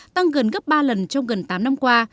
tăng gần gấp ba lần trong gần tám năm qua